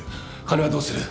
金はどうする？